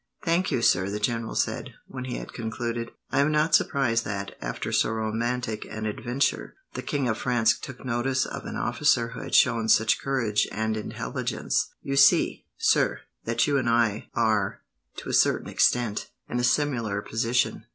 "Thank you, sir," the general said, when he had concluded. "I am not surprised that, after so romantic an adventure, the King of France took notice of an officer who had shown such courage and intelligence. You see, sir, that you and I are, to a certain extent, in a similar position.